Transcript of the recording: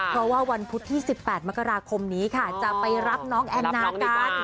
เพราะว่าวันพุธที่๑๘มกราคมนี้ค่ะจะไปรับน้องแอนนากัน